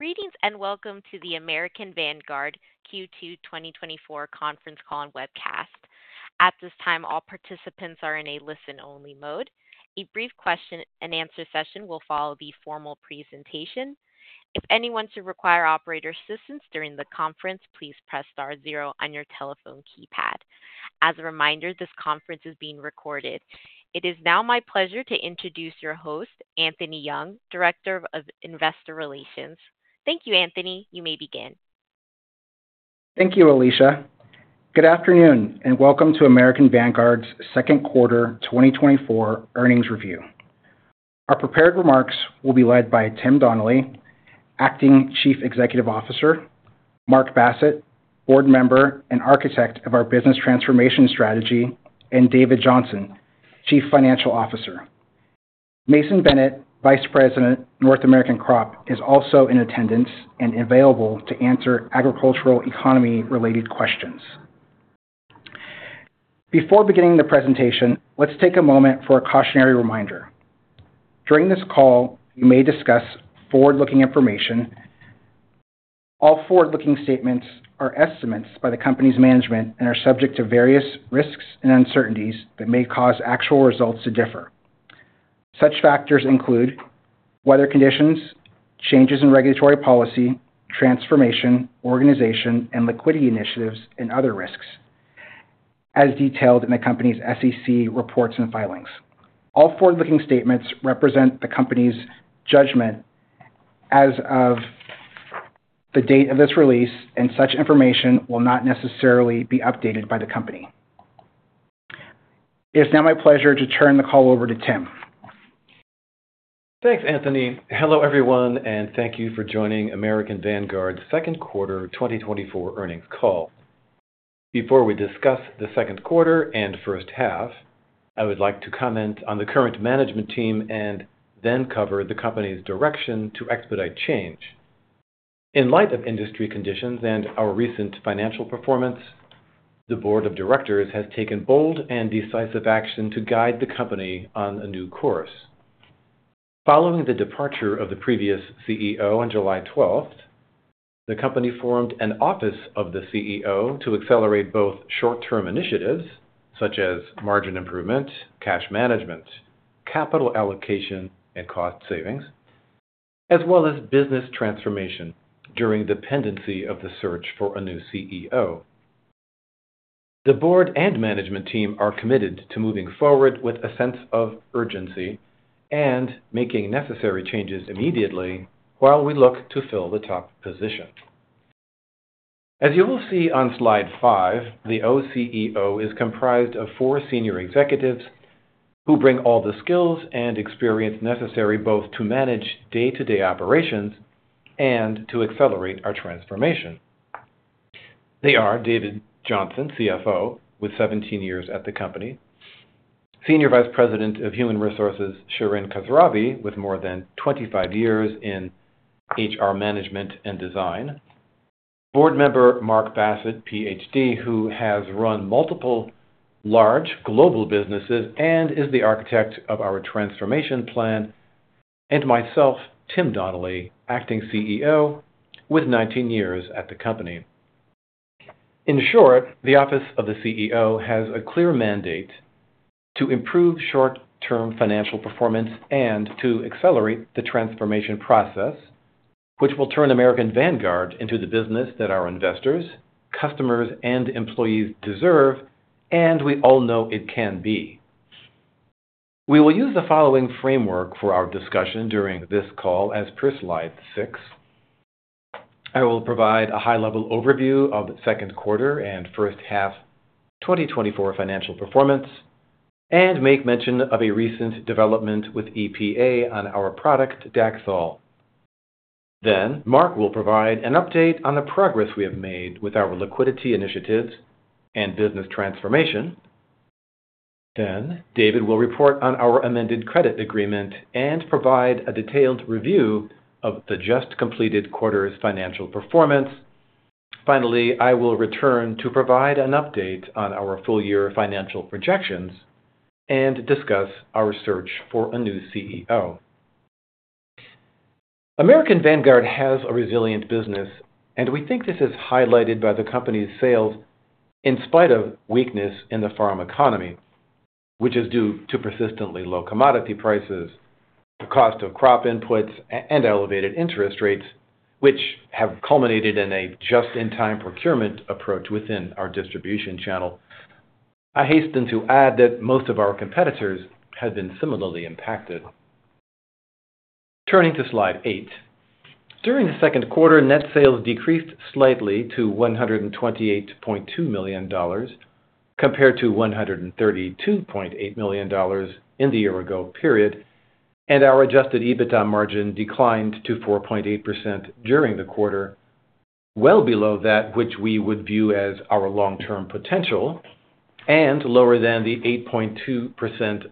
...Greetings, and welcome to the American Vanguard Q2 2024 Conference Call and Webcast. At this time, all participants are in a listen-only mode. A brief question and answer session will follow the formal presentation. If anyone should require operator assistance during the conference, please press star zero on your telephone keypad. As a reminder, this conference is being recorded. It is now my pleasure to introduce your host, Anthony Young, Director of Investor Relations. Thank you, Anthony. You may begin. Thank you, Alicia. Good afternoon, and welcome to American Vanguard's Second Quarter 2024 Earnings Review. Our prepared remarks will be led by Tim Donnelly, Acting Chief Executive Officer, Mark Bassett, Board Member and Architect of our Business Transformation Strategy, and David Johnson, Chief Financial Officer. Mason Bennett, Vice President, North American Crop, is also in attendance and available to answer agricultural economy-related questions. Before beginning the presentation, let's take a moment for a cautionary reminder. During this call, we may discuss forward-looking information. All forward-looking statements are estimates by the company's management and are subject to various risks and uncertainties that may cause actual results to differ. Such factors include weather conditions, changes in regulatory policy, transformation, organization, and liquidity initiatives, and other risks as detailed in the company's SEC reports and filings. All forward-looking statements represent the company's judgment as of the date of this release, and such information will not necessarily be updated by the company. It's now my pleasure to turn the call over to Tim. Thanks, Anthony. Hello, everyone, and thank you for joining American Vanguard's Second Quarter 2024 Earnings Call. Before we discuss the second quarter and first half, I would like to comment on the current management team and then cover the company's direction to expedite change. In light of industry conditions and our recent financial performance, the board of directors has taken bold and decisive action to guide the company on a new course. Following the departure of the previous CEO on July 12th, the company formed an Office of the CEO to accelerate both short-term initiatives such as margin improvement, cash management, capital allocation, and cost savings, as well as business transformation during pendency of the search for a new CEO. The board and management team are committed to moving forward with a sense of urgency and making necessary changes immediately while we look to fill the top position. As you will see on slide 5, the OCEO is comprised of four senior executives who bring all the skills and experience necessary, both to manage day-to-day operations and to accelerate our transformation. They are David Johnson, CFO, with 17 years at the company. Senior Vice President of Human Resources, Shirin Khosravi, with more than 25 years in HR management and design. Board Member Mark Bassett, Ph.D., who has run multiple large global businesses and is the architect of our transformation plan. And myself, Tim Donnelly, acting CEO, with 19 years at the company. In short, the Office of the CEO has a clear mandate to improve short-term financial performance and to accelerate the transformation process, which will turn American Vanguard into the business that our investors, customers, and employees deserve, and we all know it can be. We will use the following framework for our discussion during this call as per slide 6. I will provide a high-level overview of the second quarter and first half 2024 financial performance and make mention of a recent development with EPA on our product, Dacthal. Then Mark will provide an update on the progress we have made with our liquidity initiatives and business transformation. Then David will report on our amended credit agreement and provide a detailed review of the just-completed quarter's financial performance. Finally, I will return to provide an update on our full-year financial projections and discuss our search for a new CEO. American Vanguard has a resilient business, and we think this is highlighted by the company's sales in spite of weakness in the farm economy, which is due to persistently low commodity prices, the cost of crop inputs, and elevated interest rates, which have culminated in a just-in-time procurement approach within our distribution channel. I hasten to add that most of our competitors have been similarly impacted. Turning to slide eight, during the second quarter, net sales decreased slightly to $128.2 million, compared to $132.8 million in the year-ago period, and our adjusted EBITDA margin declined to 4.8% during the quarter, well below that which we would view as our long-term potential, and lower than the 8.2%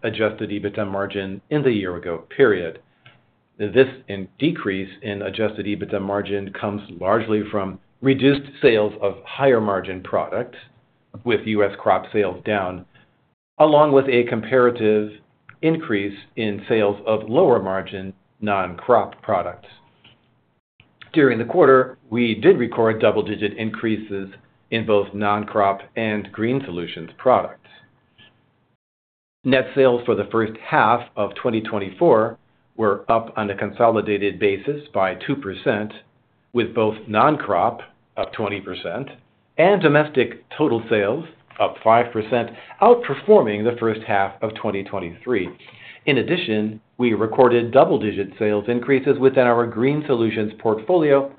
adjusted EBITDA margin in the year-ago period. This decrease in adjusted EBITDA margin comes largely from reduced sales of higher-margin products, with U.S. crop sales down, along with a comparative increase in sales of lower margin non-crop products. During the quarter, we did record double-digit increases in both non-crop and Green Solutions products. Net sales for the first half of 2024 were up on a consolidated basis by 2%, with both non-crop, up 20%, and domestic total sales, up 5%, outperforming the first half of 2023. In addition, we recorded double-digit sales increases within our Green Solutions portfolio,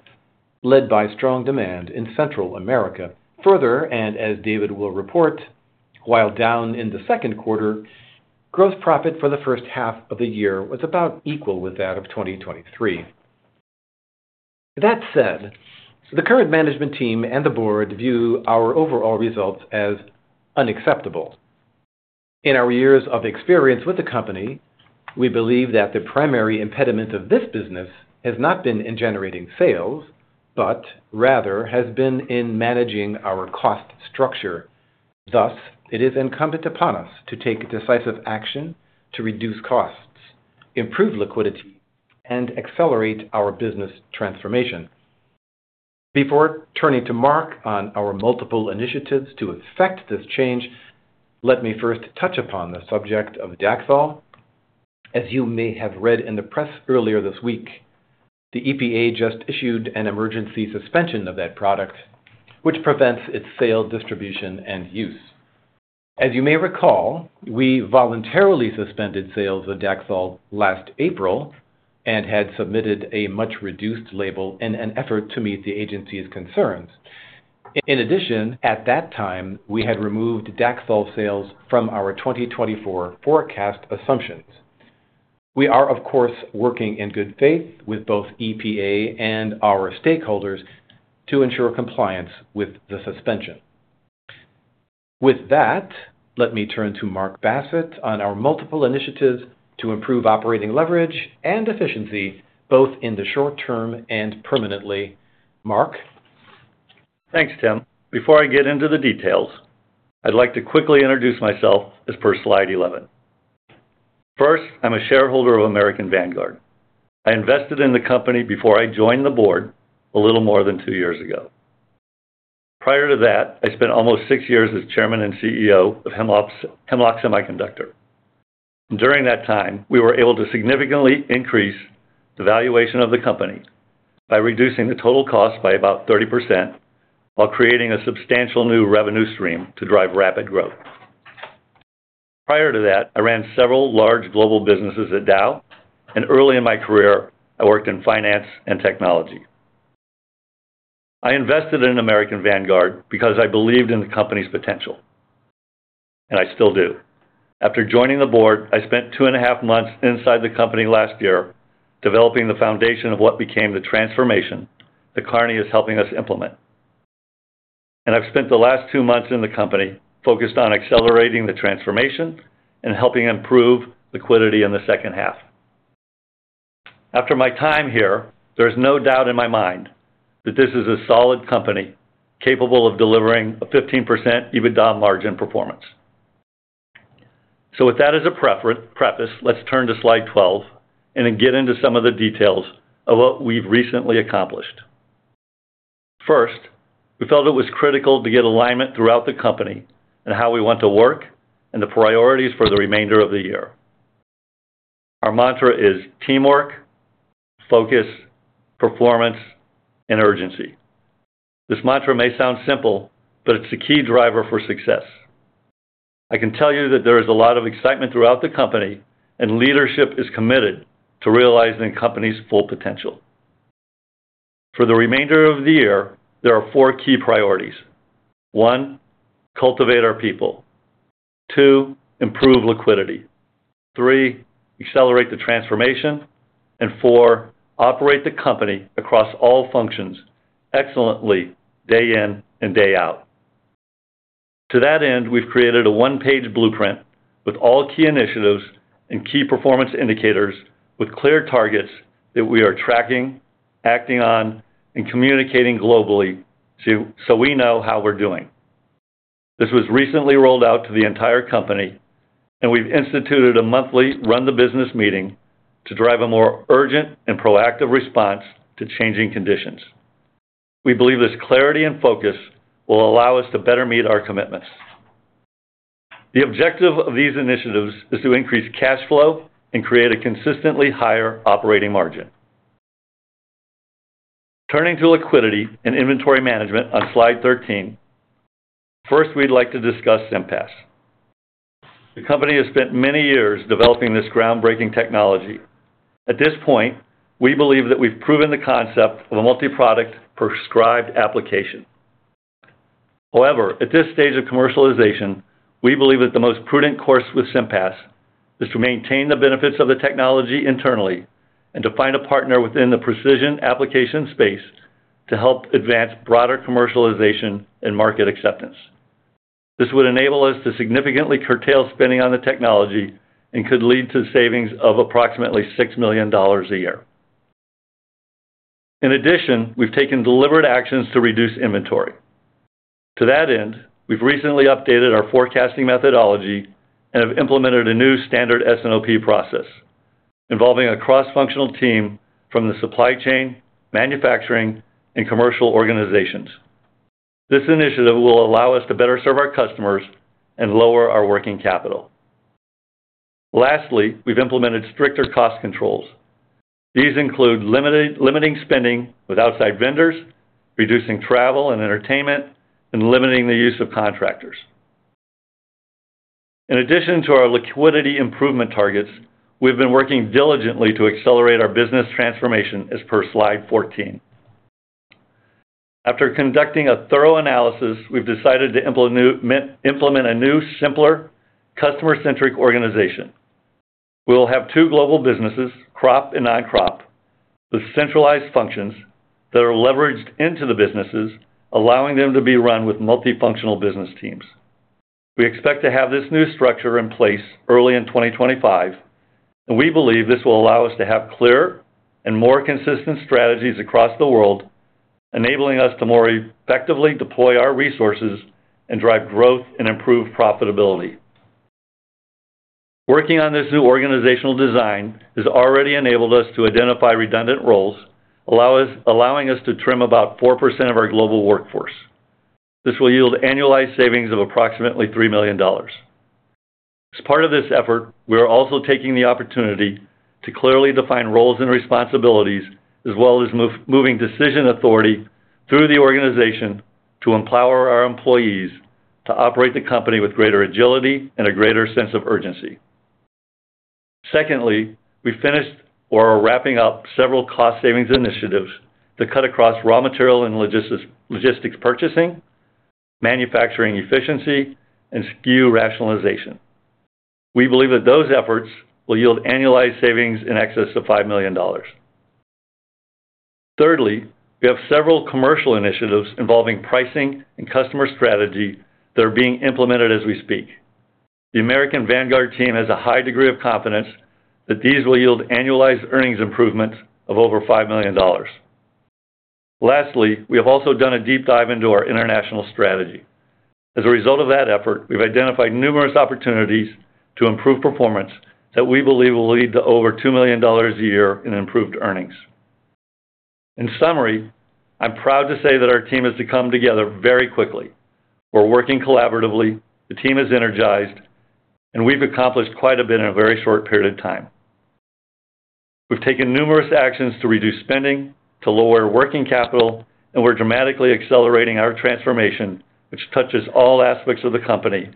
led by strong demand in Central America. Further, and as David will report, while down in the second quarter, gross profit for the first half of the year was about equal with that of 2023. That said, the current management team and the board view our overall results as unacceptable. In our years of experience with the company, we believe that the primary impediment of this business has not been in generating sales, but rather has been in managing our cost structure. Thus, it is incumbent upon us to take decisive action to reduce costs, improve liquidity, and accelerate our business transformation. Before turning to Mark on our multiple initiatives to effect this change, let me first touch upon the subject of Dacthal. As you may have read in the press earlier this week, the EPA just issued an emergency suspension of that product, which prevents its sale, distribution, and use. As you may recall, we voluntarily suspended sales of Dacthal last April and had submitted a much-reduced label in an effort to meet the agency's concerns. In addition, at that time, we had removed Dacthal sales from our 2024 forecast assumptions. We are, of course, working in good faith with both EPA and our stakeholders to ensure compliance with the suspension. With that, let me turn to Mark Bassett on our multiple initiatives to improve operating leverage and efficiency, both in the short term and permanently. Mark? Thanks, Tim. Before I get into the details, I'd like to quickly introduce myself as per slide 11. First, I'm a shareholder of American Vanguard. I invested in the company before I joined the board a little more than 2 years ago. Prior to that, I spent almost 6 years as Chairman and CEO of Hemlock Semiconductor. During that time, we were able to significantly increase the valuation of the company by reducing the total cost by about 30% while creating a substantial new revenue stream to drive rapid growth. Prior to that, I ran several large global businesses at Dow, and early in my career, I worked in finance and technology. I invested in American Vanguard because I believed in the company's potential, and I still do. After joining the board, I spent two and a half months inside the company last year, developing the foundation of what became the transformation that Kearney is helping us implement. I've spent the last two months in the company focused on accelerating the transformation and helping improve liquidity in the second half. After my time here, there is no doubt in my mind that this is a solid company capable of delivering a 15% EBITDA margin performance. So with that as a preface, let's turn to slide 12 and then get into some of the details of what we've recently accomplished. First, we felt it was critical to get alignment throughout the company on how we want to work and the priorities for the remainder of the year. Our mantra is teamwork, focus, performance, and urgency. This mantra may sound simple, but it's a key driver for success. I can tell you that there is a lot of excitement throughout the company, and leadership is committed to realizing the company's full potential. For the remainder of the year, there are four key priorities. One, cultivate our people. Two, improve liquidity. Three, accelerate the transformation. And four, operate the company across all functions excellently, day in and day out. To that end, we've created a one-page blueprint with all key initiatives and key performance indicators with clear targets that we are tracking, acting on, and communicating globally so, so we know how we're doing. This was recently rolled out to the entire company, and we've instituted a monthly run-the-business meeting to drive a more urgent and proactive response to changing conditions. We believe this clarity and focus will allow us to better meet our commitments. The objective of these initiatives is to increase cash flow and create a consistently higher operating margin. Turning to liquidity and inventory management on slide 13. First, we'd like to discuss SIMPAS. The company has spent many years developing this groundbreaking technology. At this point, we believe that we've proven the concept of a multi-product prescribed application. However, at this stage of commercialization, we believe that the most prudent course with SIMPAS is to maintain the benefits of the technology internally and to find a partner within the precision application space to help advance broader commercialization and market acceptance. This would enable us to significantly curtail spending on the technology and could lead to savings of approximately $6 million a year.... In addition, we've taken deliberate actions to reduce inventory. To that end, we've recently updated our forecasting methodology and have implemented a new standard S&OP process, involving a cross-functional team from the supply chain, manufacturing, and commercial organizations. This initiative will allow us to better serve our customers and lower our working capital. Lastly, we've implemented stricter cost controls. These include limiting spending with outside vendors, reducing travel and entertainment, and limiting the use of contractors. In addition to our liquidity improvement targets, we've been working diligently to accelerate our business transformation, as per Slide 14. After conducting a thorough analysis, we've decided to implement a new, simpler, customer-centric organization. We'll have two global businesses, crop and non-crop, with centralized functions that are leveraged into the businesses, allowing them to be run with multifunctional business teams. We expect to have this new structure in place early in 2025, and we believe this will allow us to have clearer and more consistent strategies across the world, enabling us to more effectively deploy our resources and drive growth and improve profitability. Working on this new organizational design has already enabled us to identify redundant roles, allowing us to trim about 4% of our global workforce. This will yield annualized savings of approximately $3 million. As part of this effort, we are also taking the opportunity to clearly define roles and responsibilities, as well as moving decision authority through the organization to empower our employees to operate the company with greater agility and a greater sense of urgency. Secondly, we finished or are wrapping up several cost savings initiatives that cut across raw material and logistics purchasing, manufacturing efficiency, and SKU rationalization. We believe that those efforts will yield annualized savings in excess of $5 million. Thirdly, we have several commercial initiatives involving pricing and customer strategy that are being implemented as we speak. The American Vanguard team has a high degree of confidence that these will yield annualized earnings improvements of over $5 million. Lastly, we have also done a deep dive into our international strategy. As a result of that effort, we've identified numerous opportunities to improve performance that we believe will lead to over $2 million a year in improved earnings. In summary, I'm proud to say that our team has come together very quickly. We're working collaboratively, the team is energized, and we've accomplished quite a bit in a very short period of time. We've taken numerous actions to reduce spending, to lower working capital, and we're dramatically accelerating our transformation, which touches all aspects of the company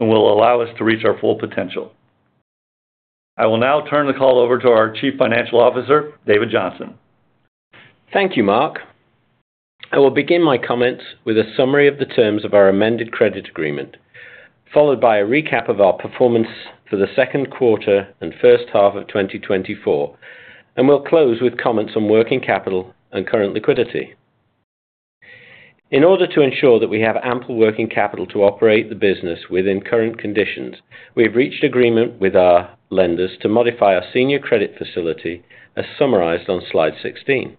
and will allow us to reach our full potential. I will now turn the call over to our Chief Financial Officer, David Johnson. Thank you, Mark. I will begin my comments with a summary of the terms of our amended credit agreement, followed by a recap of our performance for the second quarter and first half of 2024, and we'll close with comments on working capital and current liquidity. In order to ensure that we have ample working capital to operate the business within current conditions, we have reached agreement with our lenders to modify our senior credit facility, as summarized on Slide 16.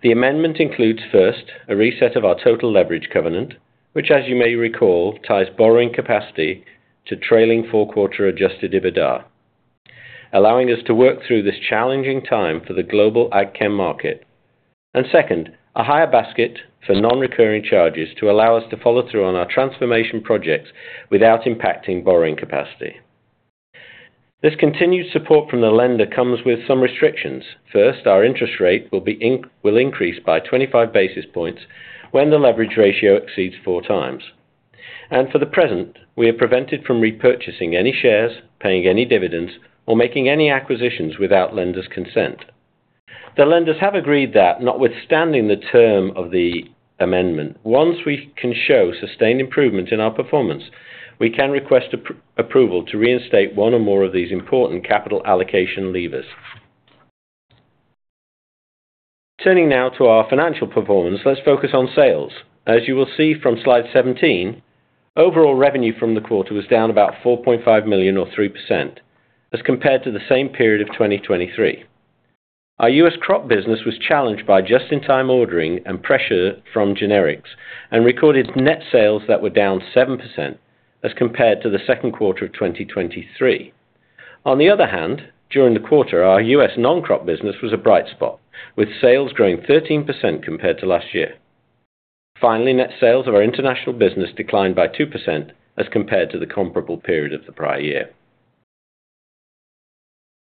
The amendment includes, first, a reset of our total leverage covenant, which, as you may recall, ties borrowing capacity to trailing four-quarter adjusted EBITDA, allowing us to work through this challenging time for the global ag chem market. And second, a higher basket for non-recurring charges to allow us to follow through on our transformation projects without impacting borrowing capacity. This continued support from the lender comes with some restrictions. First, our interest rate will increase by 25 basis points when the leverage ratio exceeds 4x. And for the present, we are prevented from repurchasing any shares, paying any dividends, or making any acquisitions without lender's consent. The lenders have agreed that notwithstanding the term of the amendment, once we can show sustained improvement in our performance, we can request approval to reinstate one or more of these important capital allocation levers. Turning now to our financial performance, let's focus on sales. As you will see from Slide 17, overall revenue from the quarter was down about $4.5 million or 3% as compared to the same period of 2023. Our US crop business was challenged by just-in-time ordering and pressure from generics and recorded net sales that were down 7% as compared to the second quarter of 2023. On the other hand, during the quarter, our US non-crop business was a bright spot, with sales growing 13% compared to last year. Finally, net sales of our international business declined by 2% as compared to the comparable period of the prior year.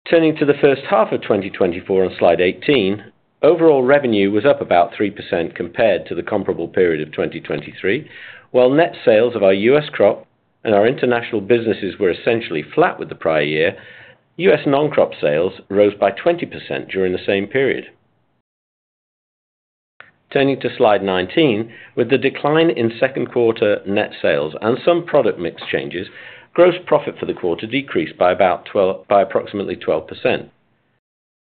Turning to the first half of 2024 on slide 18, overall revenue was up about 3% compared to the comparable period of 2023. While net sales of our US crop and our international businesses were essentially flat with the prior year, US non-crop sales rose by 20% during the same period. Turning to slide 19, with the decline in second quarter net sales and some product mix changes, gross profit for the quarter decreased by approximately 12%.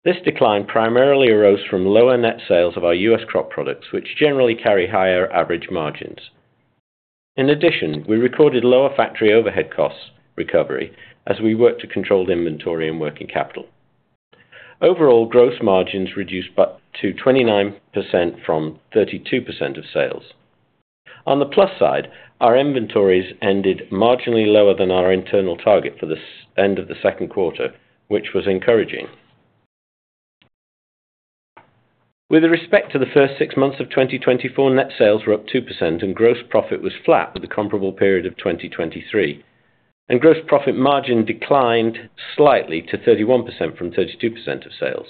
This decline primarily arose from lower net sales of our US crop products, which generally carry higher average margins. In addition, we recorded lower factory overhead costs recovery as we worked to control inventory and working capital. Overall, gross margins reduced to 29% from 32% of sales. On the plus side, our inventories ended marginally lower than our internal target for the end of the second quarter, which was encouraging. With respect to the first six months of 2024, net sales were up 2% and gross profit was flat with the comparable period of 2023, and gross profit margin declined slightly to 31% from 32% of sales.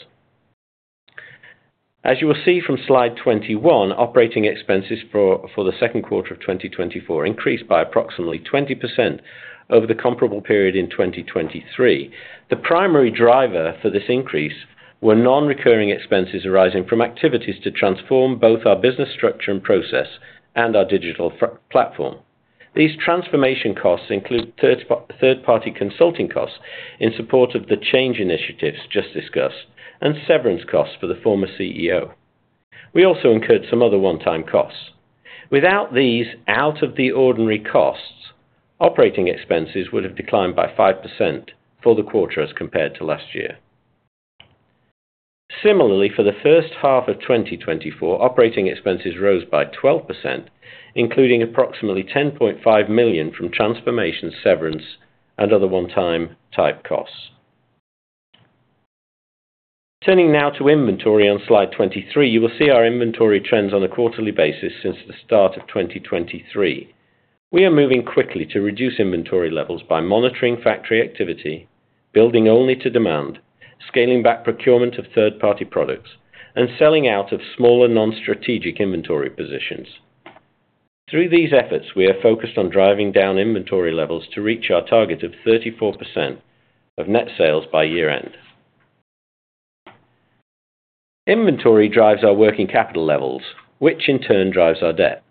As you will see from slide 21, operating expenses for the second quarter of 2024 increased by approximately 20% over the comparable period in 2023. The primary driver for this increase were non-recurring expenses arising from activities to transform both our business structure and process and our digital platform. These transformation costs include third party consulting costs in support of the change initiatives just discussed, and severance costs for the former CEO. We also incurred some other one-time costs. Without these out of the ordinary costs, operating expenses would have declined by 5% for the quarter as compared to last year. Similarly, for the first half of 2024, operating expenses rose by 12%, including approximately $10.5 million from transformation, severance, and other one-time type costs. Turning now to inventory on slide 23, you will see our inventory trends on a quarterly basis since the start of 2023. We are moving quickly to reduce inventory levels by monitoring factory activity, building only to demand, scaling back procurement of third-party products, and selling out of smaller non-strategic inventory positions. Through these efforts, we are focused on driving down inventory levels to reach our target of 34% of net sales by year-end. Inventory drives our working capital levels, which in turn drives our debt.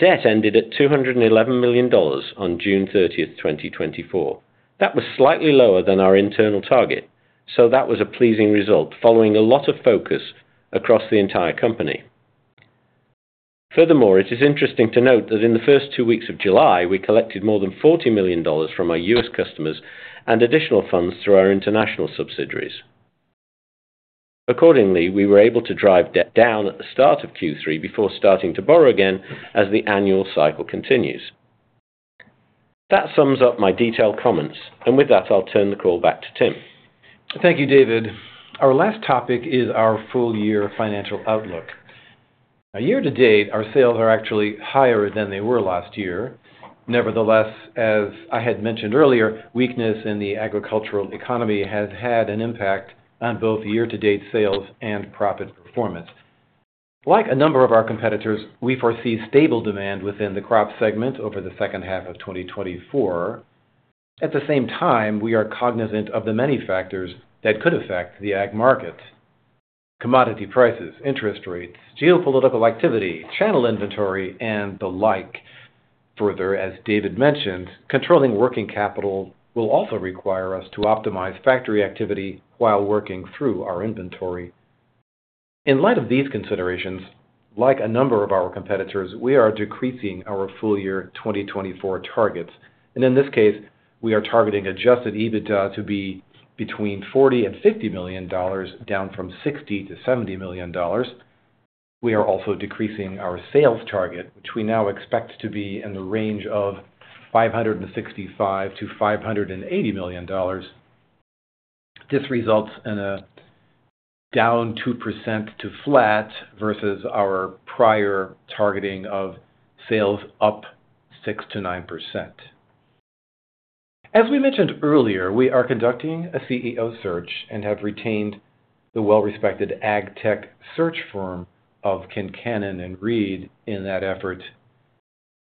Debt ended at $211 million on June 30, 2024. That was slightly lower than our internal target, so that was a pleasing result, following a lot of focus across the entire company. Furthermore, it is interesting to note that in the first 2 weeks of July, we collected more than $40 million from our U.S. customers and additional funds through our international subsidiaries. Accordingly, we were able to drive debt down at the start of Q3 before starting to borrow again as the annual cycle continues. That sums up my detailed comments, and with that, I'll turn the call back to Tim. Thank you, David. Our last topic is our full year financial outlook. Year-to-date, our sales are actually higher than they were last year. Nevertheless, as I had mentioned earlier, weakness in the agricultural economy has had an impact on both year-to-date sales and profit performance. Like a number of our competitors, we foresee stable demand within the crop segment over the second half of 2024. At the same time, we are cognizant of the many factors that could affect the ag market: commodity prices, interest rates, geopolitical activity, channel inventory, and the like. Further, as David mentioned, controlling working capital will also require us to optimize factory activity while working through our inventory. In light of these considerations, like a number of our competitors, we are decreasing our full year 2024 targets, and in this case, we are targeting adjusted EBITDA to be between $40 million-$50 million, down from $60 million-$70 million. We are also decreasing our sales target, which we now expect to be in the range of $565 million-$580 million. This results in a down 2% to flat versus our prior targeting of sales up 6%-9%. As we mentioned earlier, we are conducting a CEO search and have retained the well-respected ag tech search firm of Kincannon and Reed in that effort.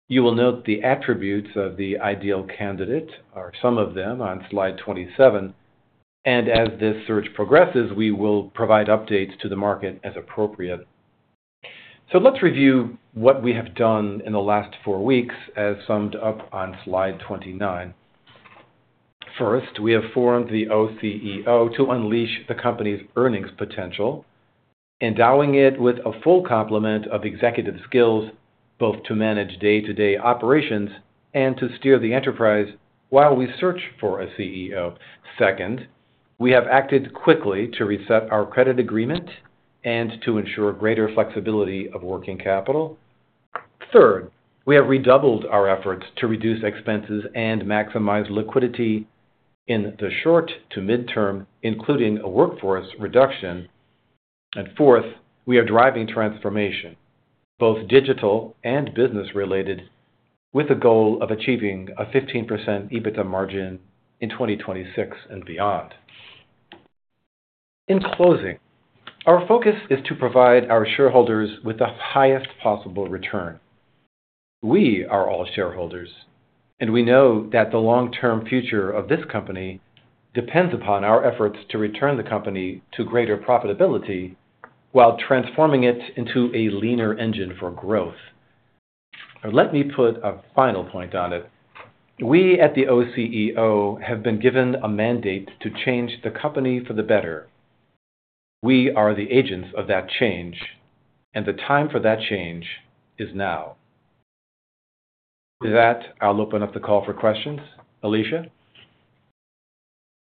You will note the attributes of the ideal candidate or some of them on slide 27, and as this search progresses, we will provide updates to the market as appropriate. Let's review what we have done in the last 4 weeks, as summed up on slide 29. First, we have formed the OCEO to unleash the company's earnings potential, endowing it with a full complement of executive skills, both to manage day-to-day operations and to steer the enterprise while we search for a CEO. Second, we have acted quickly to reset our credit agreement and to ensure greater flexibility of working capital. Third, we have redoubled our efforts to reduce expenses and maximize liquidity in the short to midterm, including a workforce reduction. And fourth, we are driving transformation, both digital and business-related, with the goal of achieving a 15% EBITDA margin in 2026 and beyond. In closing, our focus is to provide our shareholders with the highest possible return. We are all shareholders, and we know that the long-term future of this company depends upon our efforts to return the company to greater profitability while transforming it into a leaner engine for growth. Let me put a final point on it: We at the OCEO have been given a mandate to change the company for the better.... We are the agents of that change, and the time for that change is now. With that, I'll open up the call for questions. Alicia?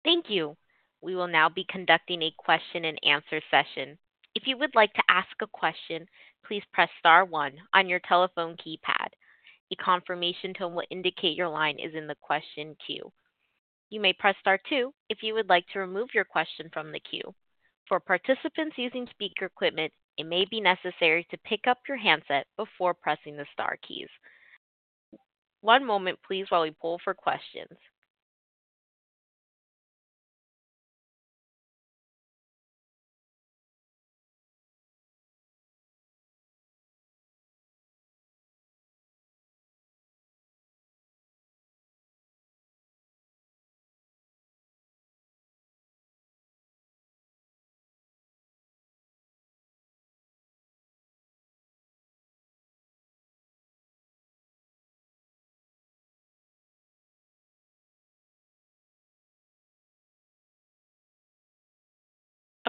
Thank you. We will now be conducting a question and answer session. If you would like to ask a question, please press star one on your telephone keypad. A confirmation tone will indicate your line is in the question queue. You may press star two if you would like to remove your question from the queue. For participants using speaker equipment, it may be necessary to pick up your handset before pressing the star keys. One moment, please, while we poll for questions.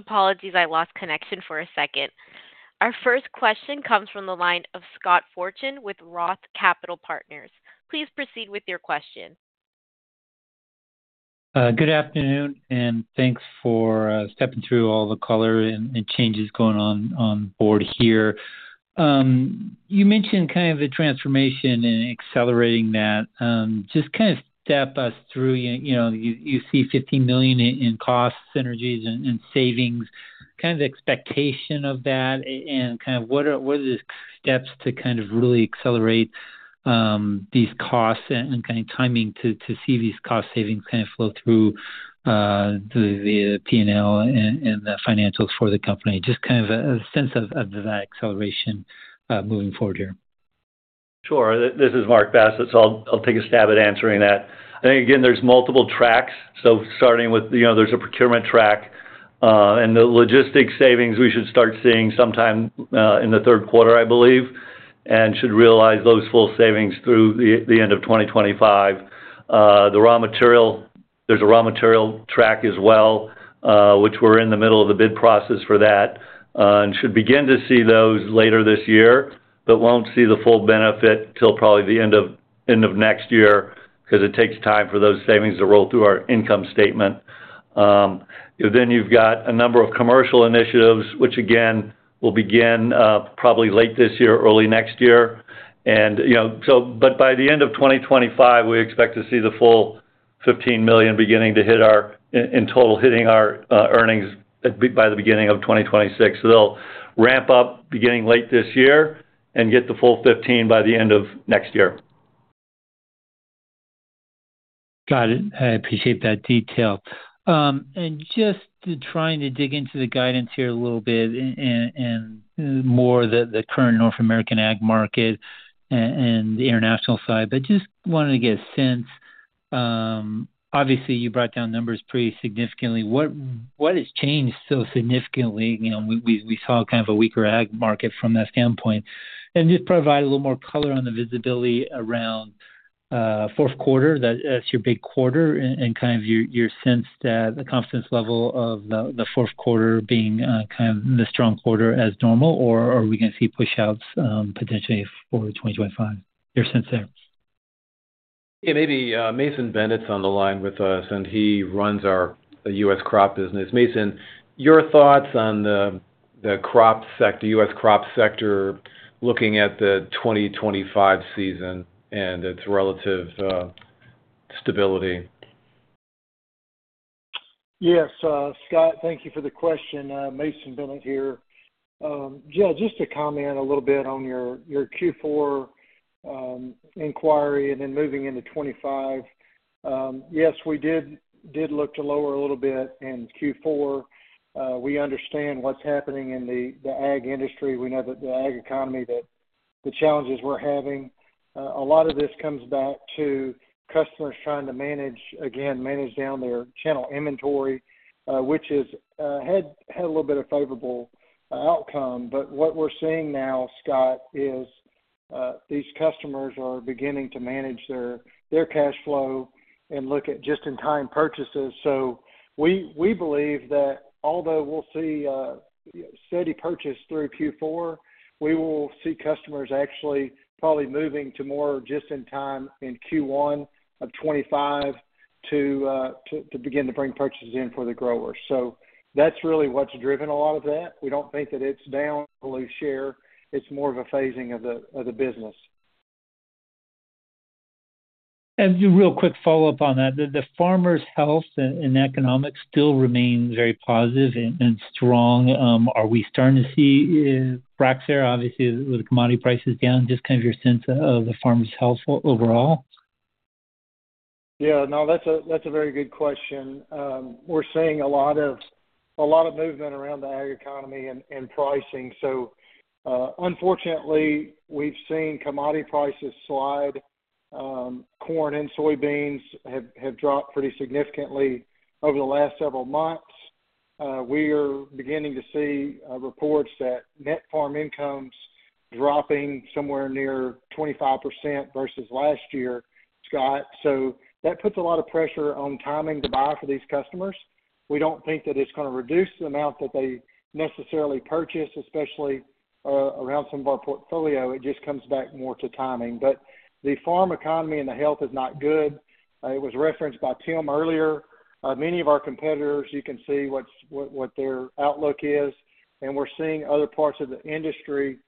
Apologies, I lost connection for a second. Our first question comes from the line of Scott Fortune with Roth Capital Partners. Please proceed with your question. Good afternoon, and thanks for stepping through all the color and changes going on on board here. You mentioned kind of the transformation and accelerating that. Just kind of step us through, you know, you see $15 million in cost synergies and savings, kind of the expectation of that, and kind of what are the steps to kind of really accelerate these costs and kind of timing to see these cost savings kind of flow through the P&L and the financials for the company? Just kind of a sense of that acceleration moving forward here. Sure. This is Mark Bassett, so I'll, I'll take a stab at answering that. I think, again, there's multiple tracks. So starting with, you know, there's a procurement track, and the logistics savings we should start seeing sometime, in the third quarter, I believe, and should realize those full savings through the, the end of 2025. The raw material—there's a raw material track as well, which we're in the middle of the bid process for that, and should begin to see those later this year, but won't see the full benefit till probably the end of, end of next year, because it takes time for those savings to roll through our income statement. Then you've got a number of commercial initiatives, which, again, will begin, probably late this year or early next year. You know, but by the end of 2025, we expect to see the full $15 million beginning to hit our... In total, hitting our earnings by the beginning of 2026. So they'll ramp up beginning late this year and get the full $15 million by the end of next year. Got it. I appreciate that detail. And just trying to dig into the guidance here a little bit and more the current North American ag market and the international side, but just wanted to get a sense. Obviously, you brought down numbers pretty significantly. What has changed so significantly? You know, we saw kind of a weaker ag market from that standpoint. And just provide a little more color on the visibility around fourth quarter, that's your big quarter and kind of your sense that the confidence level of the fourth quarter being kind of the strong quarter as normal, or are we gonna see pushouts potentially for 2025? Your sense there. Yeah, maybe, Mason Bennett's on the line with us, and he runs the U.S. crop business. Mason, your thoughts on the crop sector, the U.S. crop sector, looking at the 2025 season and its relative stability. Yes, Scott, thank you for the question. Mason Bennett here. Yeah, just to comment a little bit on your Q4 inquiry and then moving into 2025. Yes, we did look to lower a little bit in Q4. We understand what's happening in the ag industry. We know that the ag economy, that the challenges we're having, a lot of this comes back to customers trying to manage, again, manage down their channel inventory, which has had a little bit of favorable outcome. But what we're seeing now, Scott, is these customers are beginning to manage their cash flow and look at just-in-time purchases. So we believe that although we'll see steady purchase through Q4, we will see customers actually probably moving to more just in time in Q1 of 2025 to begin to bring purchases in for the growers. So that's really what's driven a lot of that. We don't think that it's down to lose share. It's more of a phasing of the business. Just real quick follow-up on that, the farmers' health and economics still remain very positive and strong. Are we starting to see cracks there, obviously, with commodity prices down, just kind of your sense of the farmers' health overall? Yeah. No, that's a very good question. We're seeing a lot of movement around the ag economy and pricing. So, unfortunately, we've seen commodity prices slide. Corn and soybeans have dropped pretty significantly over the last several months. We are beginning to see reports that net farm incomes dropping somewhere near 25% versus last year, Scott, so that puts a lot of pressure on timing to buy for these customers. We don't think that it's gonna reduce the amount that they necessarily purchase, especially around some of our portfolio. It just comes back more to timing. But the farm economy and the health is not good. It was referenced by Tim earlier. Many of our competitors, you can see what their outlook is, and we're seeing other parts of the industry,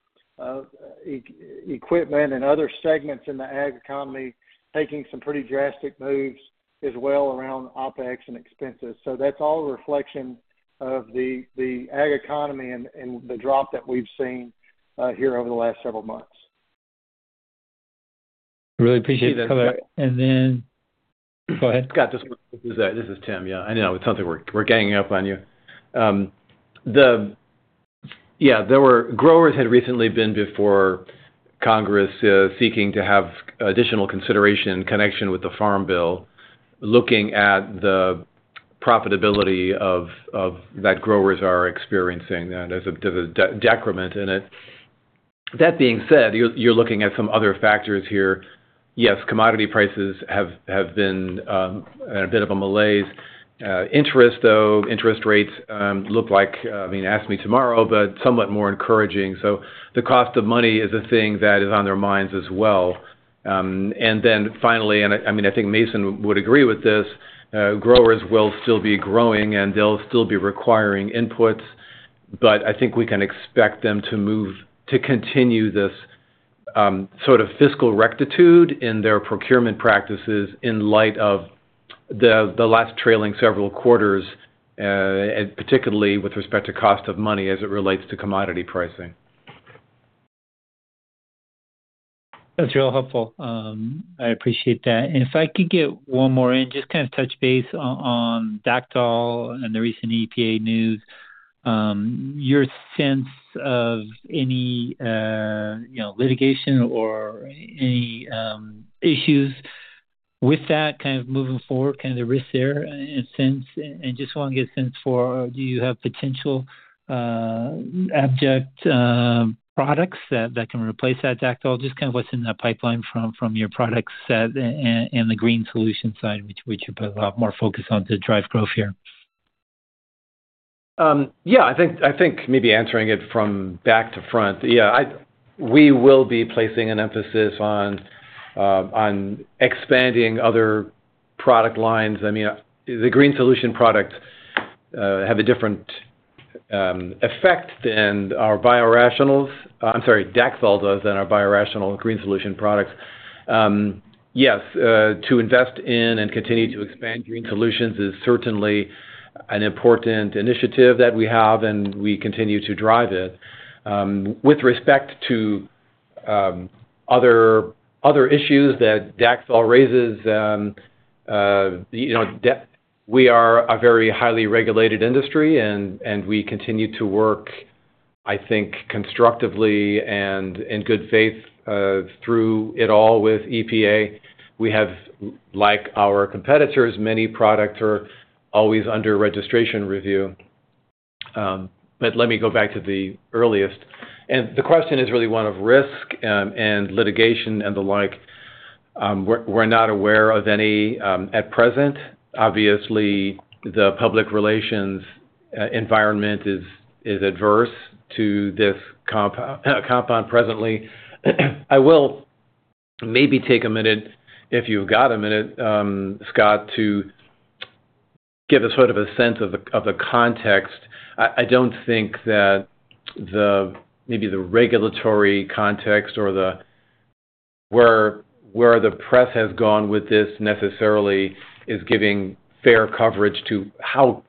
equipment and other segments in the ag economy, taking some pretty drastic moves as well around OpEx and expenses. So that's all a reflection of the ag economy and the drop that we've seen here over the last several months. Really appreciate that. Then... Go ahead. Scott, this is Tim. Yeah, I know, it's something we're ganging up on you. Growers had recently been before Congress, seeking to have additional consideration in connection with the Farm Bill, looking at the profitability of that growers are experiencing, and there's a decrement in it. That being said, you're looking at some other factors here. Yes, commodity prices have been a bit of a malaise. Interest, though, interest rates look like, I mean, ask me tomorrow, but somewhat more encouraging. So the cost of money is a thing that is on their minds as well. And then finally, I mean, I think Mason would agree with this. Growers will still be growing, and they'll still be requiring inputs, but I think we can expect them to move to continue this sort of fiscal rectitude in their procurement practices in light of the last trailing several quarters, and particularly with respect to cost of money as it relates to commodity pricing. That's real helpful. I appreciate that. If I could get one more in, just kind of touch base on Dacthal and the recent EPA news. Your sense of any, you know, litigation or any issues with that kind of moving forward, kind of the risk there and sense, and just want to get a sense for, do you have potential alternative products that can replace that Dacthal? Just kind of what's in the pipeline from your product set and the Green Solution side, which you put a lot more focus on to drive growth here. Yeah, I think maybe answering it from back to front. Yeah, we will be placing an emphasis on expanding other product lines. I mean, the Green Solution products have a different effect than our biorationals. I'm sorry, Dacthal, though, than our biorational Green Solution products. Yes, to invest in and continue to expand Green Solutions is certainly an important initiative that we have, and we continue to drive it. With respect to other issues that Dacthal raises, you know, we are a very highly regulated industry, and we continue to work, I think, constructively and in good faith through it all with EPA. We have, like our competitors, many products are always under registration review. But let me go back to the earliest. The question is really one of risk, and litigation and the like. We're not aware of any at present. Obviously, the public relations environment is adverse to this compound presently. I will maybe take a minute, if you've got a minute, Scott, to give a sort of a sense of the context. I don't think that maybe the regulatory context or the... where the press has gone with this necessarily is giving fair coverage to how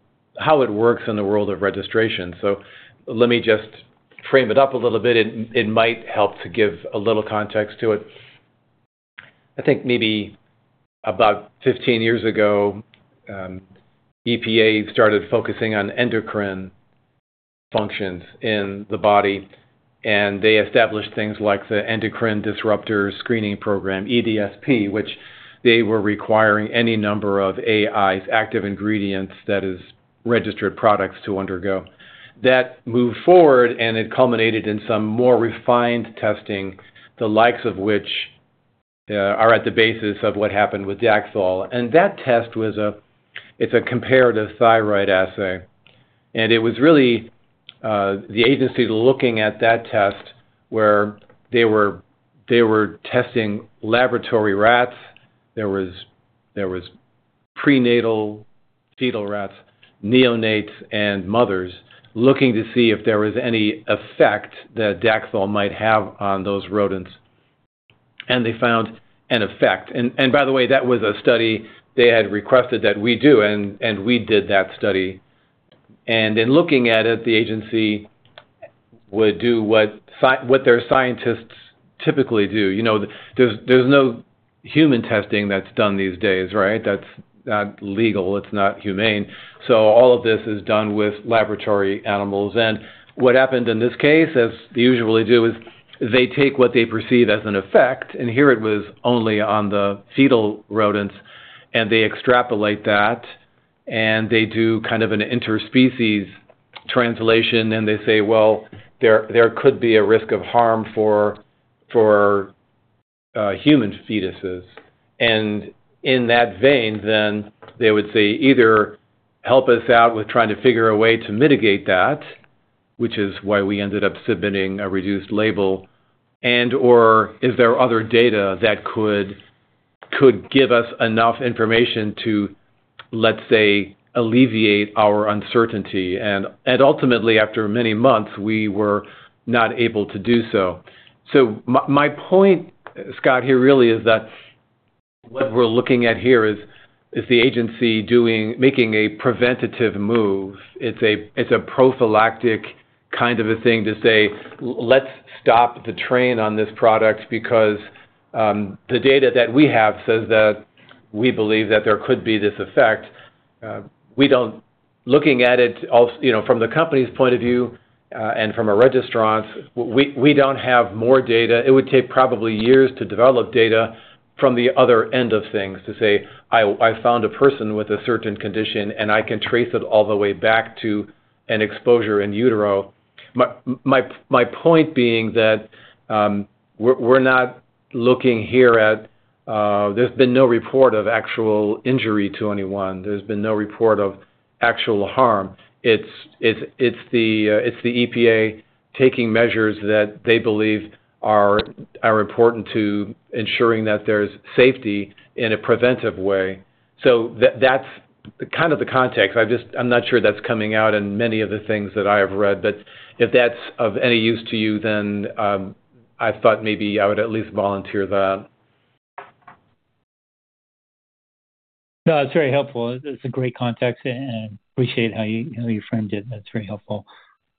it works in the world of registration. So let me just frame it up a little bit. It might help to give a little context to it. I think maybe about 15 years ago, EPA started focusing on endocrine functions in the body, and they established things like the Endocrine Disruptor Screening Program, EDSP, which they were requiring any number of AIs, active ingredients, that is, registered products to undergo. That moved forward, and it culminated in some more refined testing, the likes of which are at the basis of what happened with Dacthal. And that test was a, it's a comparative thyroid assay, and it was really the agency looking at that test where they were, they were testing laboratory rats. There was prenatal fetal rats, neonates, and mothers, looking to see if there was any effect that Dacthal might have on those rodents. And they found an effect. And by the way, that was a study they had requested that we do, and we did that study. In looking at it, the agency would do what their scientists typically do. You know, there's no human testing that's done these days, right? That's not legal, it's not humane. So all of this is done with laboratory animals. And what happened in this case, as they usually do, is they take what they perceive as an effect, and here it was only on the fetal rodents, and they extrapolate that... They do kind of an interspecies translation, and they say, "Well, there could be a risk of harm for human fetuses." And in that vein, then they would say, "Either help us out with trying to figure a way to mitigate that," which is why we ended up submitting a reduced label, "and/or is there other data that could give us enough information to, let's say, alleviate our uncertainty?" And ultimately, after many months, we were not able to do so. So my point, Scott, here really is that what we're looking at here is the agency doing, making a preventative move. It's a prophylactic kind of a thing to say, "Let's stop the train on this product because the data that we have says that we believe that there could be this effect." We don't. Looking at it also, you know, from the company's point of view, and from a registrant's, we don't have more data. It would take probably years to develop data from the other end of things, to say, "I found a person with a certain condition, and I can trace it all the way back to an exposure in utero." My point being that we're not looking here at... There's been no report of actual injury to anyone. There's been no report of actual harm. It's the EPA taking measures that they believe are important to ensuring that there's safety in a preventive way. So that's kind of the context. I just, I'm not sure that's coming out in many of the things that I have read, but if that's of any use to you, then I thought maybe I would at least volunteer that. No, it's very helpful. It's a great context, and appreciate how you, how you framed it. That's very helpful.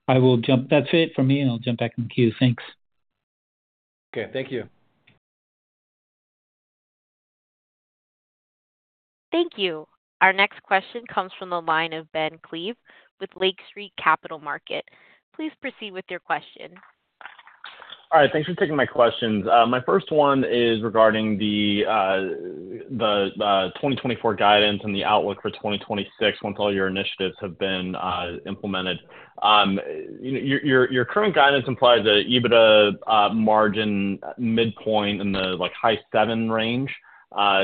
I will jump-- That's it for me, and I'll jump back in the queue. Thanks. Okay, thank you. Thank you. Our next question comes from the line of Ben Klieve with Lake Street Capital Markets. Please proceed with your question. All right. Thanks for taking my questions. My first one is regarding the 2024 guidance and the outlook for 2026, once all your initiatives have been implemented. You know, your current guidance implies a EBITDA margin midpoint in the, like, high seven range,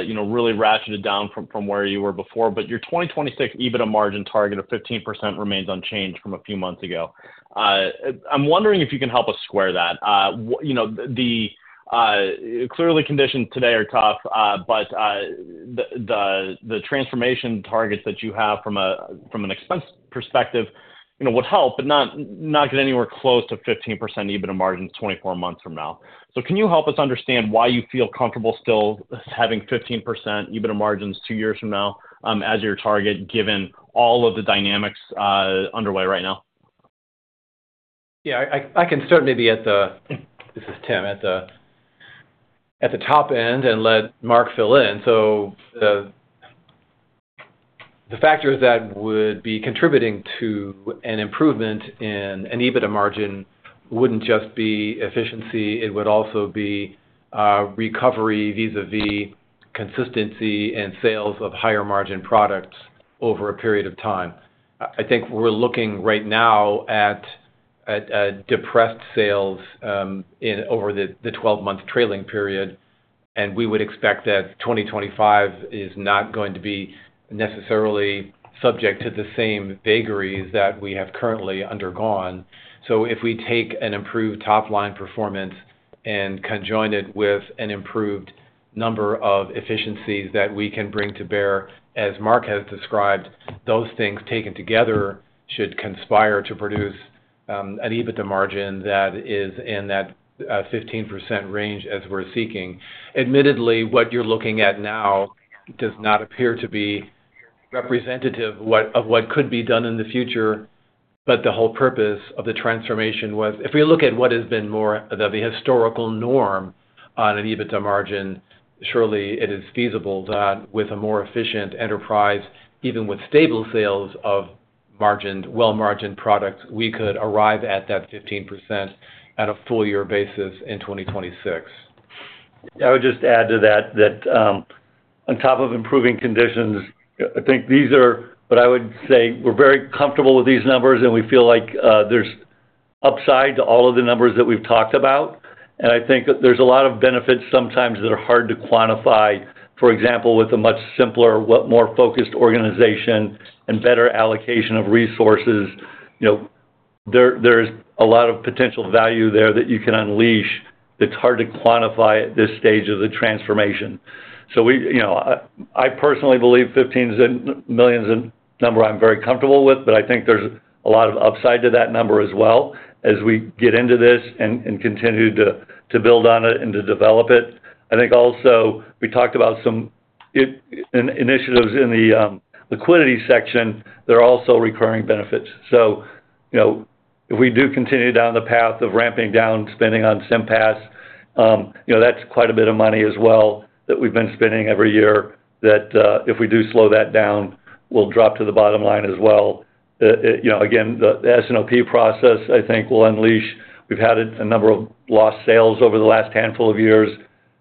you know, really ratcheted down from where you were before. But your 2026 EBITDA margin target of 15% remains unchanged from a few months ago. I'm wondering if you can help us square that. You know, clearly, conditions today are tough, but the transformation targets that you have from an expense perspective, you know, would help, but not get anywhere close to 15% EBITDA margins 24 months from now. Can you help us understand why you feel comfortable still having 15% EBITDA margins two years from now, as your target, given all of the dynamics underway right now? Yeah, I can start maybe at the... This is Tim, at the top end, and let Mark fill in. So the factors that would be contributing to an improvement in an EBITDA margin wouldn't just be efficiency. It would also be recovery vis-a-vis consistency and sales of higher-margin products over a period of time. I think we're looking right now at depressed sales in over the 12-month trailing period, and we would expect that 2025 is not going to be necessarily subject to the same vagaries that we have currently undergone. So if we take an improved top-line performance and conjoin it with an improved number of efficiencies that we can bring to bear, as Mark has described, those things taken together should conspire to produce an EBITDA margin that is in that 15% range as we're seeking. Admittedly, what you're looking at now does not appear to be representative of what could be done in the future, but the whole purpose of the transformation was... If we look at what has been more the historical norm on an EBITDA margin, surely it is feasible that with a more efficient enterprise, even with stable sales of margined, well-margined products, we could arrive at that 15% at a full year basis in 2026. I would just add to that, on top of improving conditions, I think these are what I would say, we're very comfortable with these numbers, and we feel like there's upside to all of the numbers that we've talked about. And I think that there's a lot of benefits sometimes that are hard to quantify. For example, with a much simpler, but more focused organization and better allocation of resources, you know, there's a lot of potential value there that you can unleash that's hard to quantify at this stage of the transformation. So we, you know, I personally believe $15 million is a number I'm very comfortable with, but I think there's a lot of upside to that number as well, as we get into this and continue to build on it and to develop it. I think also, we talked about some initiatives in the liquidity section. There are also recurring benefits. So, you know, if we do continue down the path of ramping down spending on SIMPAS, you know, that's quite a bit of money as well that we've been spending every year, that if we do slow that down, will drop to the bottom line as well. You know, again, the S&OP process, I think, will unleash. We've had a number of lost sales over the last handful of years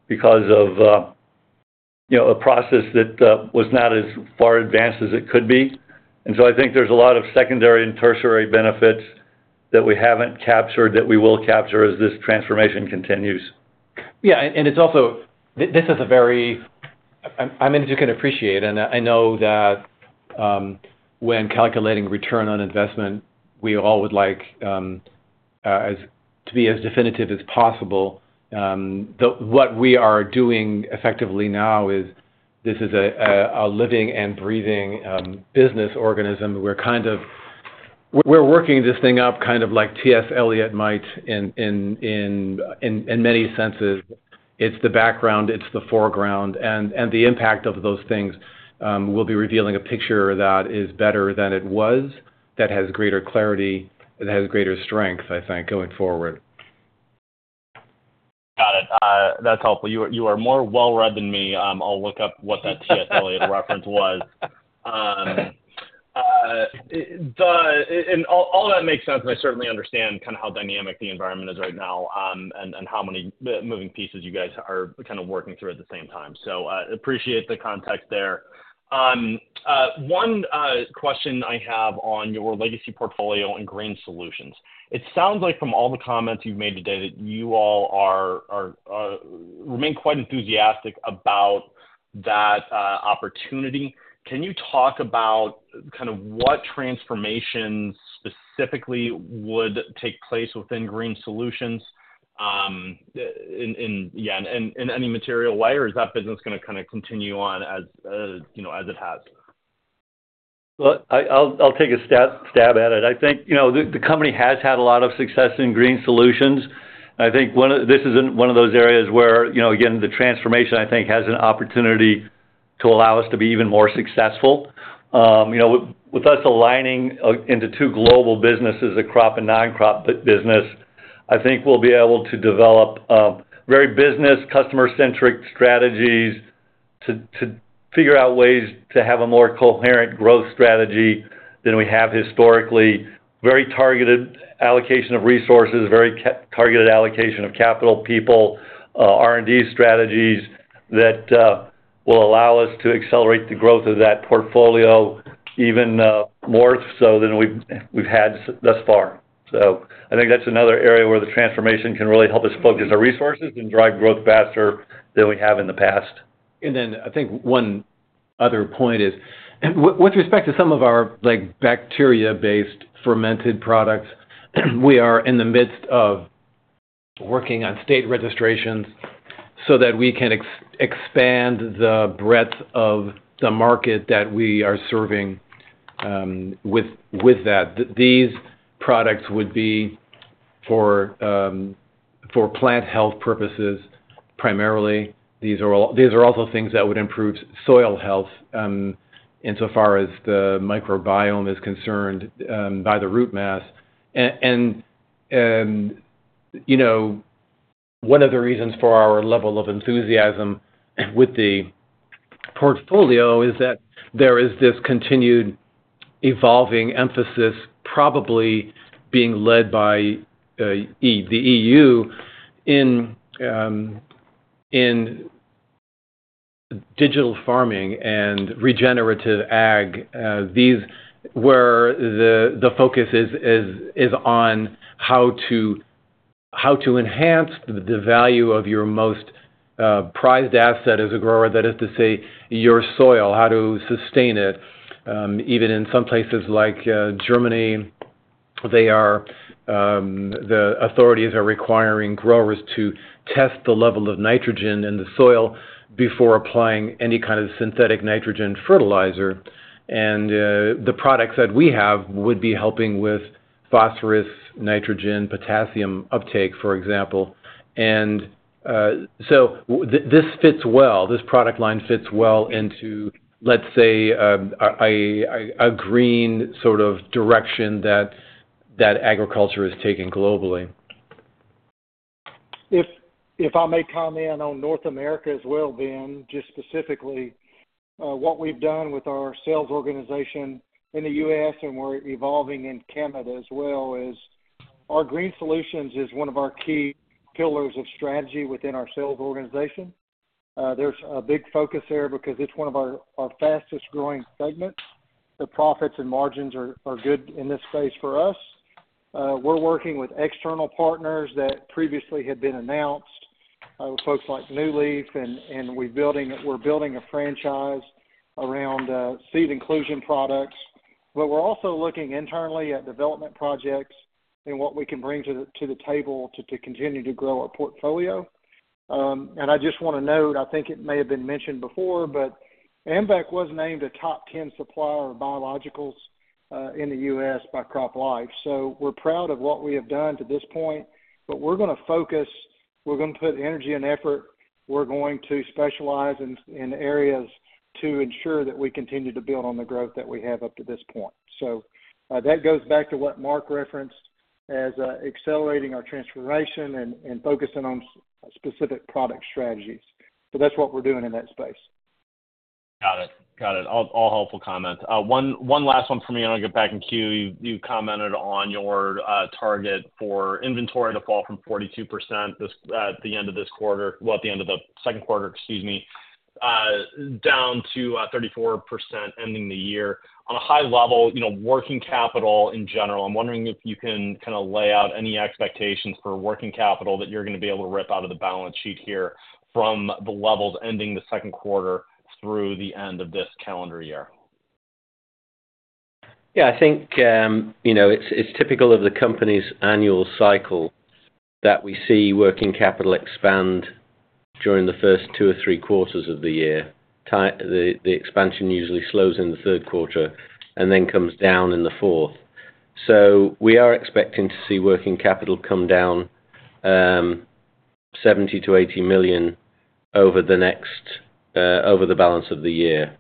because of, you know, a process that was not as far advanced as it could be. And so I think there's a lot of secondary and tertiary benefits that we haven't captured, that we will capture as this transformation continues. Yeah, and it's also- this is a very- I mean, you can appreciate, and I know that, when calculating return on investment, we all would like as to be as definitive as possible. What we are doing effectively now is this is a living and breathing business organism. We're kind of—we're working this thing up, kind of like T.S. Eliot might in many senses. It's the background, it's the foreground, and the impact of those things will be revealing a picture that is better than it was, that has greater clarity, that has greater strength, I think, going forward. Got it. That's helpful. You are, you are more well-read than me. I'll look up what that T.S. Eliot reference was. All that makes sense, and I certainly understand kind of how dynamic the environment is right now, and how many moving pieces you guys are kind of working through at the same time. So, appreciate the context there. One question I have on your legacy portfolio and Green Solutions: It sounds like from all the comments you've made today, that you all are, are, remain quite enthusiastic about that opportunity. Can you talk about kind of what transformations specifically would take place within Green Solutions, in any material way? Or is that business gonna kinda continue on as, you know, as it has? Well, I'll take a stab at it. I think, you know, the company has had a lot of success in GreenSolutions. I think one of—this is in one of those areas where, you know, again, the transformation, I think, has an opportunity to allow us to be even more successful. You know, with us aligning into two global businesses, a crop and non-crop business, I think we'll be able to develop very business, customer-centric strategies to figure out ways to have a more coherent growth strategy than we have historically. Very targeted allocation of resources, very targeted allocation of capital, people, R&D strategies that will allow us to accelerate the growth of that portfolio even more so than we've had thus far. I think that's another area where the transformation can really help us focus our resources and drive growth faster than we have in the past. And then I think one other point is, and with respect to some of our, like, bacteria-based fermented products, we are in the midst of working on state registrations so that we can expand the breadth of the market that we are serving with that. These products would be for plant health purposes, primarily. These are also things that would improve soil health, insofar as the microbiome is concerned, by the root mass. And, you know, one of the reasons for our level of enthusiasm with the portfolio is that there is this continued evolving emphasis probably being led by the EU in digital farming and regenerative ag. These, where the focus is on how to enhance the value of your most prized asset as a grower, that is to say, your soil, how to sustain it. Even in some places like Germany, the authorities are requiring growers to test the level of nitrogen in the soil before applying any kind of synthetic nitrogen fertilizer. The products that we have would be helping with phosphorus, nitrogen, potassium uptake, for example. This fits well. This product line fits well into, let's say, a green sort of direction that agriculture is taking globally. If I may comment on North America as well, Ben, just specifically, what we've done with our sales organization in the U.S., and we're evolving in Canada as well, is our GreenSolutions is one of our key pillars of strategy within our sales organization. There's a big focus there because it's one of our fastest-growing segments. The profits and margins are good in this space for us. We're working with external partners that previously had been announced, folks like NewLeaf, and we're building a franchise around seed inclusion products. But we're also looking internally at development projects and what we can bring to the table to continue to grow our portfolio. And I just want to note, I think it may have been mentioned before, but AMVAC was named a top 10 supplier of biologicals in the U.S. by CropLife. So we're proud of what we have done to this point, but we're gonna focus, we're gonna put energy and effort, we're going to specialize in areas to ensure that we continue to build on the growth that we have up to this point. So that goes back to what Mark referenced as accelerating our transformation and focusing on specific product strategies. So that's what we're doing in that space.... Got it. All helpful comments. One last one for me, and I'll get back in queue. You commented on your target for inventory to fall from 42% at the end of the second quarter, excuse me, down to 34% ending the year. On a high level, you know, working capital in general, I'm wondering if you can kinda lay out any expectations for working capital that you're gonna be able to rip out of the balance sheet here from the levels ending the second quarter through the end of this calendar year. Yeah, I think, you know, it's typical of the company's annual cycle that we see working capital expand during the first two or three quarters of the year. The expansion usually slows in the third quarter and then comes down in the fourth. So we are expecting to see working capital come down $70 million-$80 million over the balance of the year.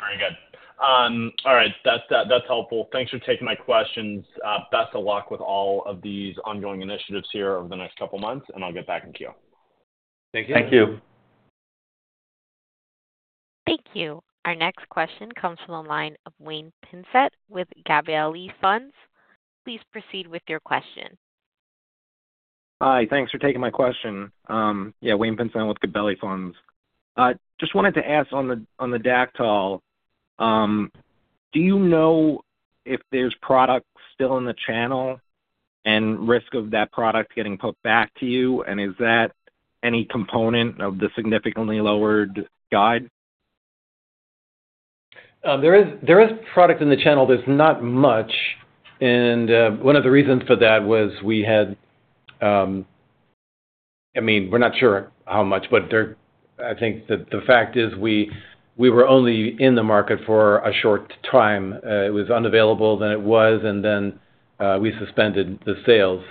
Very good. All right, that's, that's helpful. Thanks for taking my questions. Best of luck with all of these ongoing initiatives here over the next couple of months, and I'll get back in queue. Thank you. Thank you. Our next question comes from the line of Wayne Pinsent with Gabelli Funds. Please proceed with your question. Hi, thanks for taking my question. Yeah, Wayne Pinsent with Gabelli Funds. Just wanted to ask on the, on the Dacthal, do you know if there's product still in the channel and risk of that product getting put back to you? And is that any component of the significantly lowered guide? There is product in the channel. There's not much, and one of the reasons for that was we had. I mean, we're not sure how much, but I think that the fact is, we were only in the market for a short time. It was unavailable, then it was, and then we suspended the sales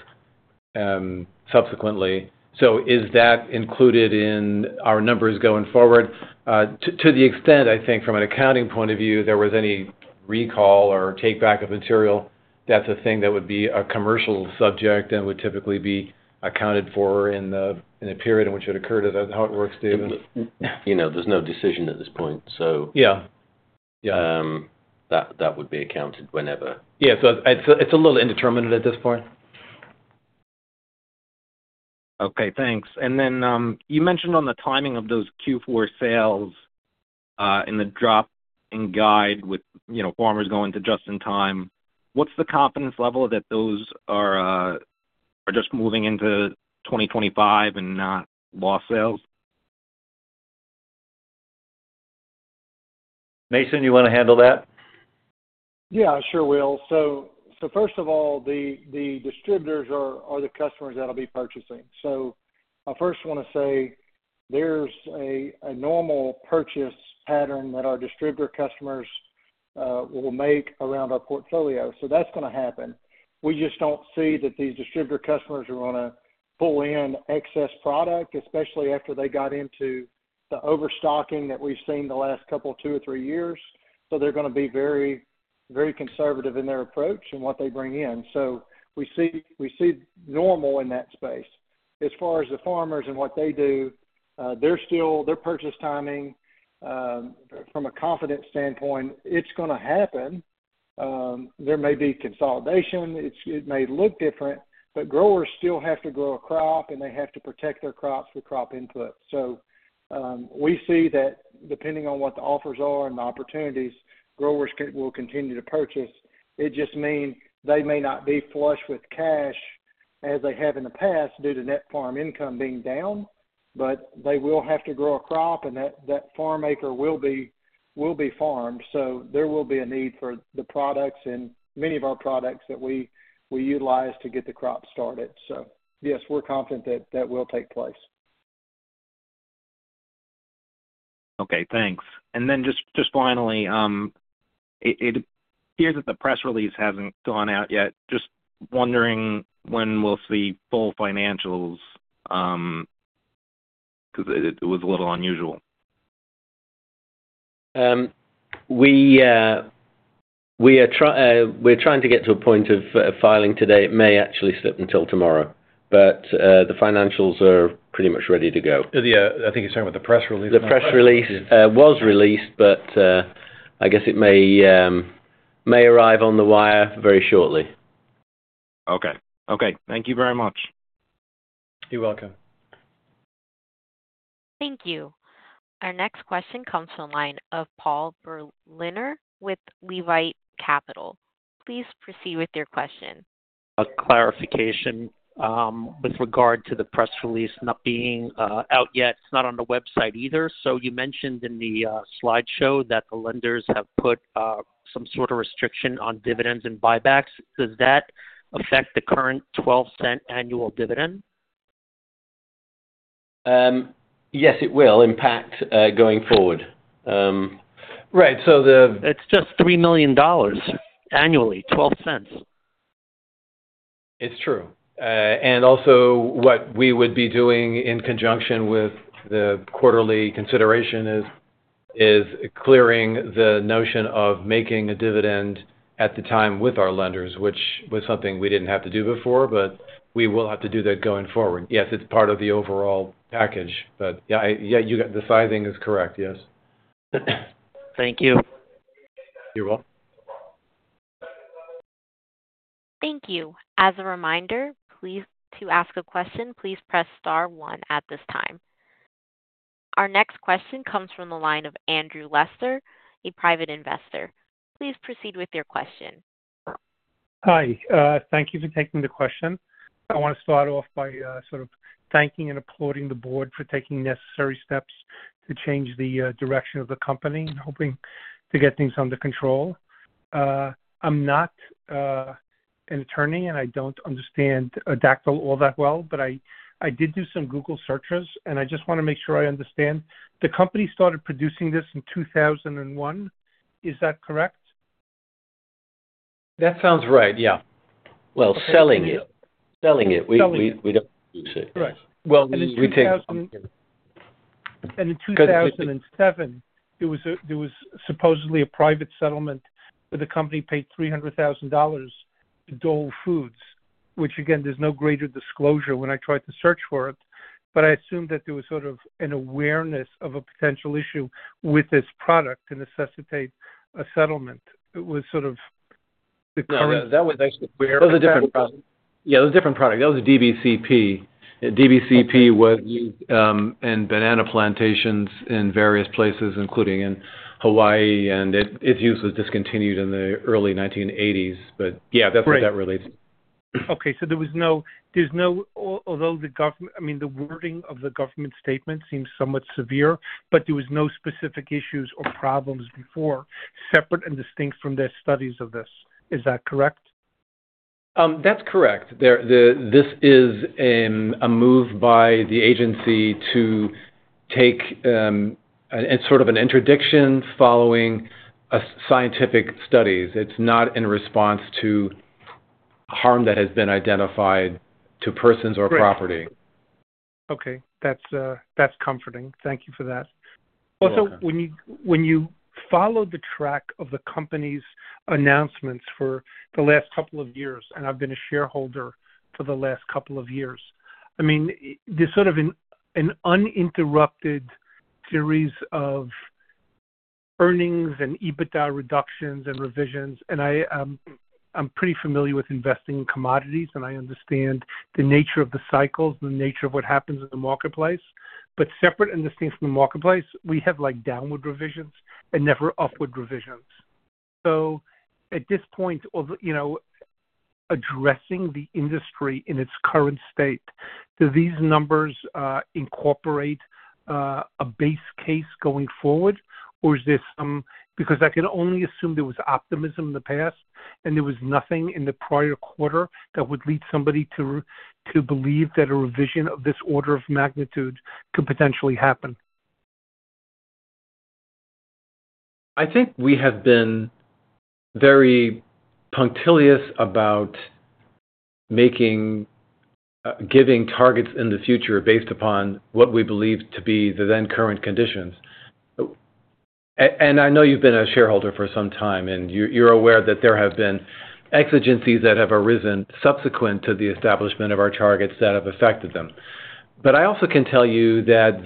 subsequently. So is that included in our numbers going forward? To the extent, I think, from an accounting point of view, there was any recall or take-back of material, that's a thing that would be a commercial subject and would typically be accounted for in a period in which it occurred. Is that how it works, David? You know, there's no decision at this point, so- Yeah. Yeah. That would be accounted whenever. Yeah, so it's, it's a little indeterminate at this point. Okay, thanks. And then, you mentioned on the timing of those Q4 sales, in the drop in guide with, you know, farmers going to just-in-time, what's the confidence level that those are just moving into 2025 and not lost sales? Mason, you wanna handle that? Yeah, sure, Will. So first of all, the distributors are the customers that'll be purchasing. So I first wanna say there's a normal purchase pattern that our distributor customers will make around our portfolio. So that's gonna happen. We just don't see that these distributor customers are gonna pull in excess product, especially after they got into the overstocking that we've seen the last couple, two or three years. So they're gonna be very, very conservative in their approach and what they bring in. So we see normal in that space. As far as the farmers and what they do, their purchase timing from a confidence standpoint, it's gonna happen. There may be consolidation, it may look different, but growers still have to grow a crop, and they have to protect their crops with crop input. So, we see that depending on what the offers are and the opportunities, growers will continue to purchase. It just mean they may not be flush with cash as they have in the past, due to net farm income being down, but they will have to grow a crop, and that, that farm acre will be, will be farmed. So there will be a need for the products and many of our products that we, we utilize to get the crop started. So yes, we're confident that that will take place. Okay, thanks. And then just finally, it appears that the press release hasn't gone out yet. Just wondering when we'll see full financials, because it was a little unusual. We are trying to get to a point of filing today. It may actually slip until tomorrow, but the financials are pretty much ready to go. Yeah, I think you're talking about the press release. The press release was released, but I guess it may arrive on the wire very shortly. Okay. Okay, thank you very much. You're welcome. Thank you. Our next question comes from the line of Paul Berliner with Levite Capital. Please proceed with your question. A clarification, with regard to the press release not being out yet. It's not on the website either. So you mentioned in the slideshow that the lenders have put some sort of restriction on dividends and buybacks. Does that affect the current $0.12 annual dividend? Yes, it will impact going forward. Right, so the- It's just $3 million annually, $0.12. It's true. And also what we would be doing in conjunction with the quarterly consideration is clearing the notion of making a dividend at the time with our lenders, which was something we didn't have to do before, but we will have to do that going forward. Yes, it's part of the overall package, but, yeah, I yeah, you got, the sizing is correct, yes. Thank you. You're welcome. Thank you. As a reminder, please, to ask a question, please press star one at this time. Our next question comes from the line of Andrew Lester, a private investor. Please proceed with your question. Hi, thank you for taking the question. I want to start off by sort of thanking and applauding the board for taking necessary steps to change the direction of the company and hoping to get things under control. I'm not an attorney, and I don't understand Dacthal all that well, but I, I did do some Google searches, and I just wanna make sure I understand. The company started producing this in 2001. Is that correct? That sounds right, yeah. Well, selling it. Selling it. Selling it. We don't produce it. Right. Well, we take- And in 2007, there was supposedly a private settlement where the company paid $300,000 to Dole Foods, which again, there's no greater disclosure when I tried to search for it. But I assumed that there was sort of an awareness of a potential issue with this product to necessitate a settlement. It was sort of the current- That was actually... It was a different product. Yeah, it was a different product. That was DBCP. DBCP was, and banana plantations in various places, including in Hawaii, and it, its use was discontinued in the early 1980s. But yeah, that's what that relates. Okay. So there was no, although the government, I mean, the wording of the government statement seems somewhat severe, but there was no specific issues or problems before, separate and distinct from their studies of this. Is that correct? That's correct. This is a move by the agency to take, it's sort of an interdiction following scientific studies. It's not in response to harm that has been identified to persons or property. Great. Okay. That's, that's comforting. Thank you for that. You're welcome. Also, when you follow the track of the company's announcements for the last couple of years, and I've been a shareholder for the last couple of years, I mean, there's sort of an uninterrupted series of earnings and EBITDA reductions and revisions, and I, I'm pretty familiar with investing in commodities, and I understand the nature of the cycles and the nature of what happens in the marketplace. But separate and distinct from the marketplace, we have, like, downward revisions and never upward revisions. So at this point of, you know, addressing the industry in its current state, do these numbers incorporate a base case going forward, or is this... Because I can only assume there was optimism in the past, and there was nothing in the prior quarter that would lead somebody to believe that a revision of this order of magnitude could potentially happen. I think we have been very punctilious about making, giving targets in the future based upon what we believe to be the then current conditions. And I know you've been a shareholder for some time, and you're aware that there have been exigencies that have arisen subsequent to the establishment of our targets that have affected them. But I also can tell you that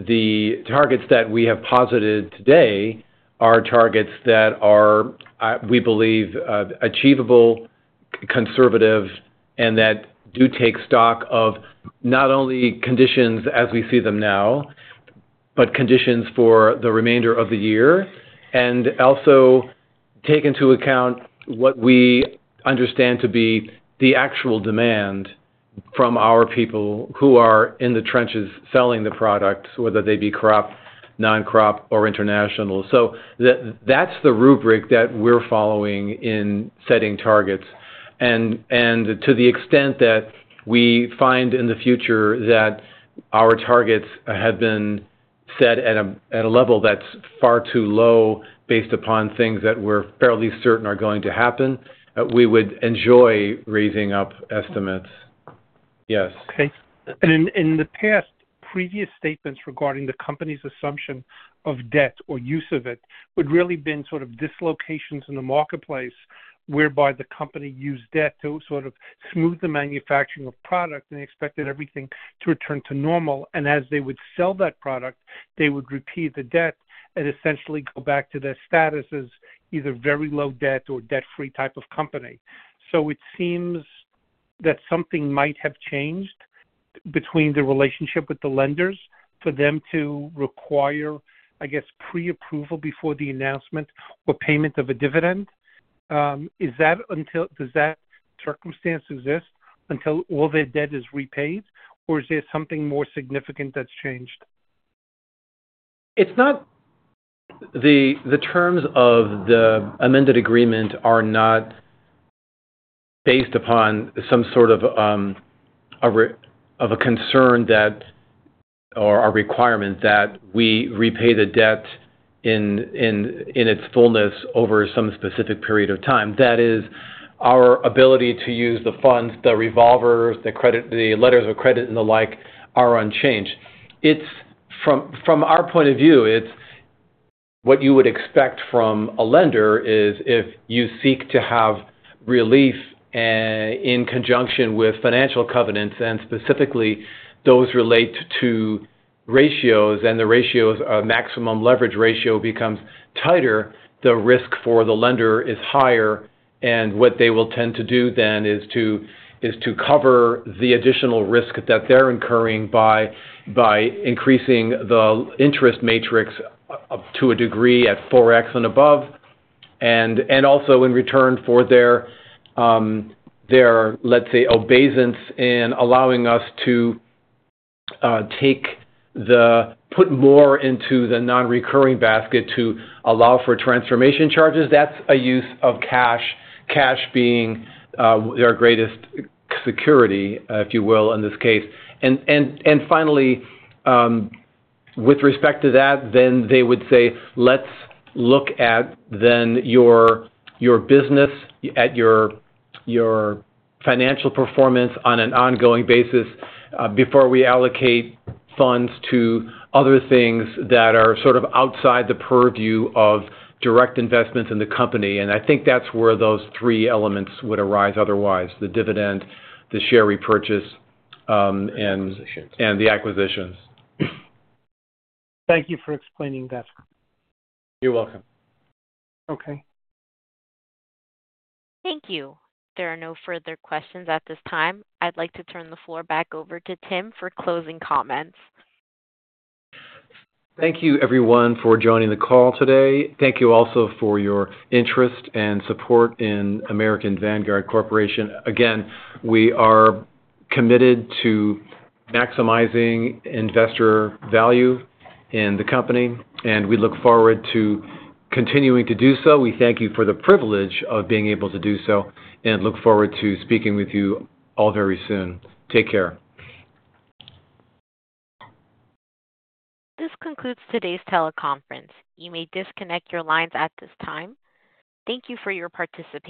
the targets that we have posited today are targets that are, we believe, achievable, conservative, and that do take stock of not only conditions as we see them now, but conditions for the remainder of the year, and also take into account what we understand to be the actual demand from our people who are in the trenches selling the products, whether they be crop, non-crop, or international. So that's the rubric that we're following in setting targets. To the extent that we find in the future that our targets have been set at a level that's far too low, based upon things that we're fairly certain are going to happen, we would enjoy raising up estimates. Yes. Okay. And in the past, previous statements regarding the company's assumption of debt or use of it would really been sort of dislocations in the marketplace, whereby the company used debt to sort of smooth the manufacturing of product and expected everything to return to normal. And as they would sell that product, they would repeat the debt and essentially go back to their status as either very low debt or debt-free type of company. So it seems that something might have changed between the relationship with the lenders for them to require, I guess, pre-approval before the announcement or payment of a dividend. Is that until... Does that circumstance exist until all their debt is repaid, or is there something more significant that's changed? It's not... The terms of the amended agreement are not based upon some sort of, a re-- of a concern that, or a requirement that we repay the debt in its fullness over some specific period of time. That is our ability to use the funds, the revolvers, the credit, the letters of credit and the like, are unchanged. It's from our point of view, it's what you would expect from a lender, is if you seek to have relief in conjunction with financial covenants, and specifically those relate to ratios, and the ratios are maximum leverage ratio becomes tighter, the risk for the lender is higher. What they will tend to do then is to cover the additional risk that they're incurring by increasing the interest matrix up to a degree at 4x and above, and also in return for their, let's say, obeisance in allowing us to put more into the non-recurring basket to allow for transformation charges. That's a use of cash, cash being their greatest security, if you will, in this case. Finally, with respect to that, then they would say, "Let's look at then your business, at your financial performance on an ongoing basis, before we allocate funds to other things that are sort of outside the purview of direct investments in the company." I think that's where those three elements would arise, otherwise, the dividend, the share repurchase, and- Acquisitions. and the acquisitions. Thank you for explaining that. You're welcome. Okay. Thank you. There are no further questions at this time. I'd like to turn the floor back over to Tim for closing comments. Thank you, everyone, for joining the call today. Thank you also for your interest and support in American Vanguard Corporation. Again, we are committed to maximizing investor value in the company, and we look forward to continuing to do so. We thank you for the privilege of being able to do so and look forward to speaking with you all very soon. Take care. This concludes today's teleconference. You may disconnect your lines at this time. Thank you for your participation.